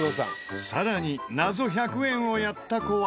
さらに謎１００円をやった子は？